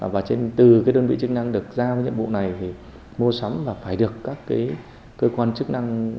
và từ đơn vị chức năng được giao với nhiệm vụ này thì mô sắm và phải được các cơ quan chức năng